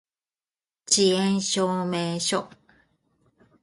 遅延証明書